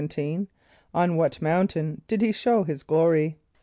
= On what mountain did he show his glory?